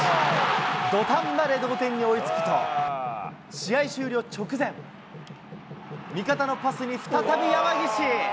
土壇場で同点に追いつくと、試合終了直前、味方のパスに再び山岸。